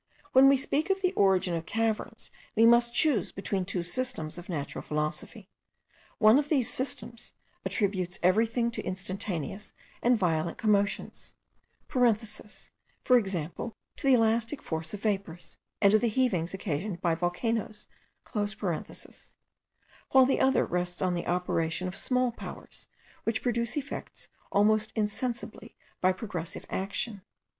When we speak of the origin of caverns we must choose between two systems of natural philosophy: one of these systems attributes every thing to instantaneous and violent commotions (for example, to the elastic force of vapours, and to the heavings occasioned by volcanoes); while the other rests on the operation of small powers, which produce effects almost insensibly by progressive action.